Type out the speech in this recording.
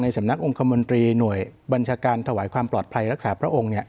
สำนักองคมนตรีหน่วยบัญชาการถวายความปลอดภัยรักษาพระองค์